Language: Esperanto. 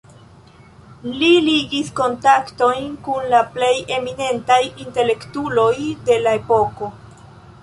Li ligis kontaktojn kun la plej eminentaj intelektuloj de la epoko.